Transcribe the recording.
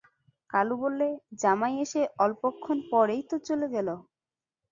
কালু বললে, জামাই এসে অল্পক্ষণ পরেই তো চলে গেল।